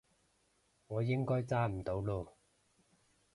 我應該揸唔到嚕